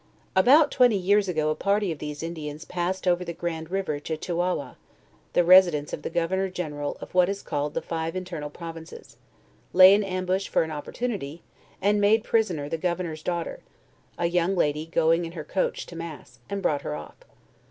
"About twenty years ago a party of these Indians passed over the Grand river to Chewawa, the residence of the gov ernor general of what is called the Five Internal Provinces; lay in ambush for an opportunity, and made prisoner the gov ernor's daughter, a young lady going in her coach to mass, and brought her off.